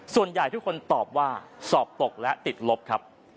ส่วนใหญ่ทุกคนตอบว่าสอบตกและติดลบครับ